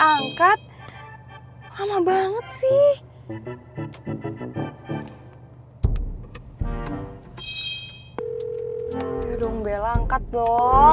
lama banget sih lo